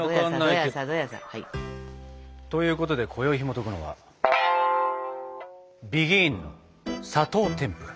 どやさどやさ。ということでこよいひもとくのは「ＢＥＧＩＮ」の砂糖てんぷら。